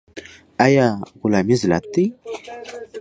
آیا غلامي ذلت دی؟